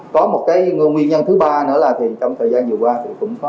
có một cái nguyên nhân thứ ba nữa là thì trong thời gian vừa qua thì cũng có